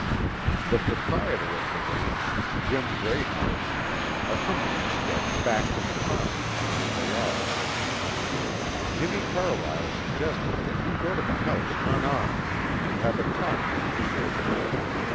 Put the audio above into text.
The proprietor of the ranch, Jim Greathouse, accompanied Steck back to the posse behind the logs. Jimmie Carlyle suggested that he go to the house unarmed and have a talk with the "Kid."